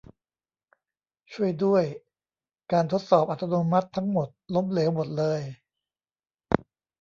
ช่วยด้วย การทดสอบอัตโนมัติทั้งหมดล้มเหลวหมดเลย